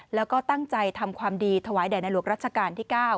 แล้วก็ตั้งใจทำความดีถวายแด่ในหลวงรัชกาลที่๙